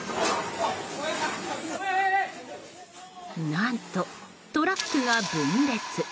何と、トラックが分裂。